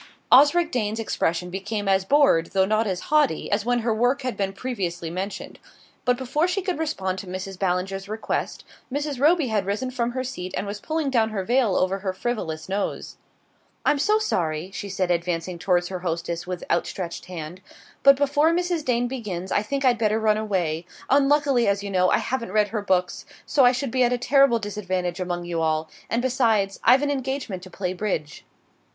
Osric Dane's expression became as bored, though not as haughty, as when her work had been previously mentioned. But before she could respond to Mrs. Ballinger's request, Mrs. Roby had risen from her seat, and was pulling down her veil over her frivolous nose. "I'm so sorry," she said, advancing toward her hostess with outstretched hand, "but before Mrs. Dane begins I think I'd better run away. Unluckily, as you know, I haven't read her books, so I should be at a terrible disadvantage among you all, and besides, I've an engagement to play bridge."